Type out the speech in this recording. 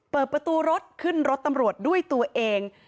เปิดประตูรถขึ้นรถตำรวจด้วยตัวเอง